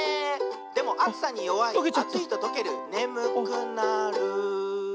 「でもあつさによわいあついととけるねむくなる」